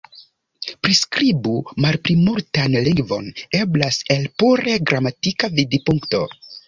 Priskribi malplimultan lingvon eblas el pure gramatika vidpunkto.